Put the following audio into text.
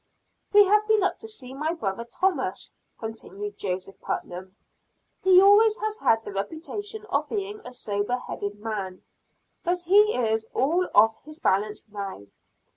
"We have been up to see my brother Thomas," continued Joseph Putnam. "He always has had the reputation of being a sober headed man, but he is all off his balance now."